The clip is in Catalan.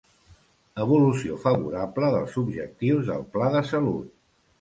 Evolució favorable dels objectius del Pla de salut.